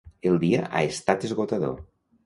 El dia ha estat esgotador.